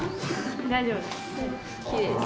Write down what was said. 大丈夫です。